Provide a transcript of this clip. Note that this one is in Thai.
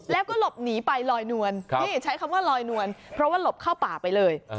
แล้วก็หลบหนีไปลอยนวลนี่ใช้คำว่าลอยนวลเพราะว่าหลบเข้าป่าไปเลย